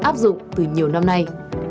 áp dụng từ nhiều năm nay